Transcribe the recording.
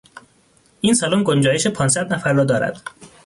این سالن گنجایش پانصد نفر را دارد.